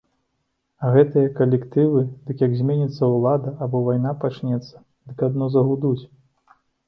А гэтыя калектывы, дык як зменіцца ўлада або вайна пачнецца, дык адно загудуць.